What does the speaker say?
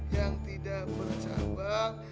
yang tidak bercabang